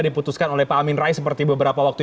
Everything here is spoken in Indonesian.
diputuskan oleh pak amin rais seperti beberapa waktu